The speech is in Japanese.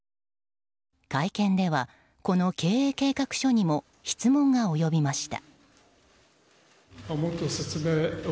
会見では、この経営計画書にも質問が及びました。